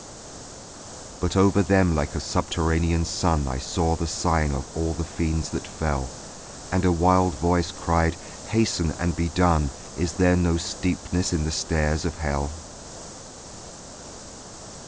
But over them like a subterranean sun I saw the sign of all the fiends that fell; And a wild voice cried "Hasten and be done, Is there no steepness in the stairs of hell?"